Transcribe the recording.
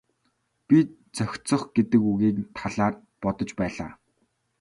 Би зохицох гэдэг үгийн талаар бодож байлаа.